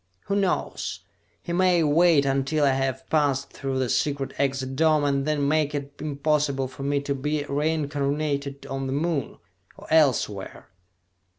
Who knows? He may wait until I have passed through the secret exit dome, and then make it impossible for me to be reincarnated on the Moon or elsewhere!"